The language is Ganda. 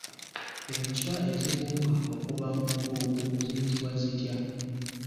Enswa ezibuuka okuva mu nkulukuku ziyitibwa zitya?